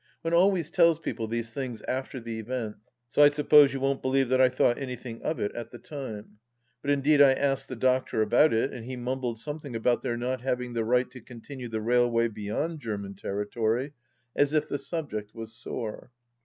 One always tells people these things after the event, so I suppose you won't believe that I thought anything of it at the time. But indeed I asked the Doctor about it, and he mumbled something about their not having the right to continue the railway beyond German territory, as if the subject was sore.